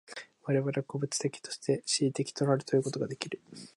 我々は個物的として思惟的となるということができる。